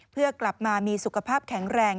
เพื่อกลับมามีสุขภาพแข็งแรง